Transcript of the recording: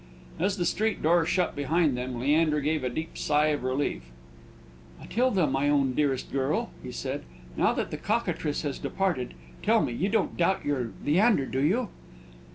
As the street door shut behind them, Leander gave a deep sigh of relief. "Matilda, my own dearest girl," he said, "now that that cockatrice has departed, tell me, you don't doubt your Leander, do you?"